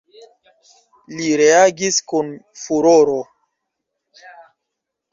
Li reagis kun furoro.